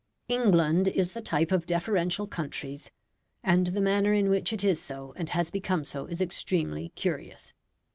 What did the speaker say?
England is the type of deferential countries, and the manner in which it is so, and has become so, is extremely curious.